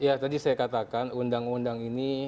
ya tadi saya katakan undang undang ini